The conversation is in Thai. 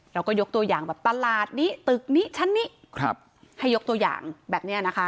เราก็ยกตัวอย่างแบบตลาดนี้ตึกนี้ชั้นนี้ให้ยกตัวอย่างแบบนี้นะคะ